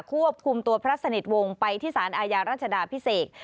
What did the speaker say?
ควบคุมตัวพระสนิทวงศ์ไปที่สารอาญารัชดาพิเศษ